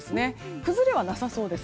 崩れはなさそうです。